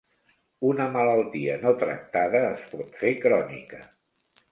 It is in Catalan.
Una malaltia no tractada es pot fer crònica.